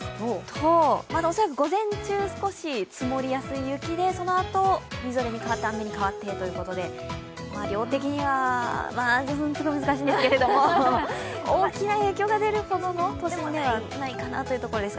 恐らく午前中、少し積もりやすい雪でそのあと、みぞれに変わって、雨に変わってということで量的にはちょっと難しいんですけれども、大きな影響が出るほどは都心ではないかなという感じです。